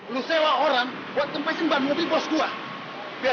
lo sewa orang buat tempat yang bahan mobil bos gue